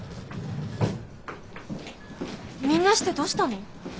みんなしてどうしたの？